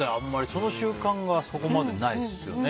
その習慣がそこまでないですね。